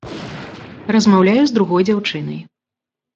Размаўляю з другой дзяўчынай.